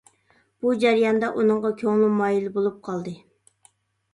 بۇ جەرياندا ئۇنىڭغا كۆڭلۈم مايىل بولۇپ قالدى.